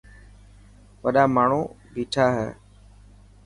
وڏا ماڻهو ٻيٺا هي.